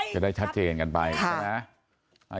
จะได้ชัดเจนกันไป